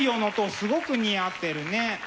すごく似合ってるね。